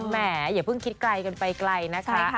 แหมอย่าเพิ่งคิดไกลกันไปไกลนะคะ